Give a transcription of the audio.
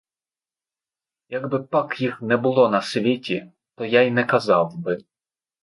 Якби пак їх не було на світі, то я й не казав би.